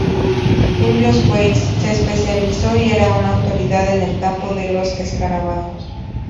Julius Weise se especializó y era una autoridad en el campo de los escarabajos.